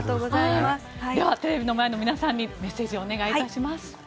ではテレビの前の皆さんにメッセージをお願いします。